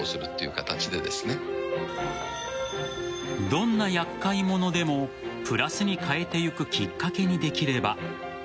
どんな厄介モノでもプラスに変えていくきっかけにできれば。